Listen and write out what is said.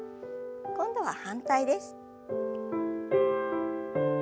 今度は反対です。